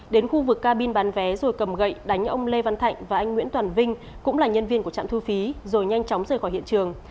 đến khu vực cabin bán vé rồi cầm gậy đánh ông lê văn thạnh và anh nguyễn toàn vinh cũng là nhân viên của trạm thu phí rồi nhanh chóng rời khỏi hiện trường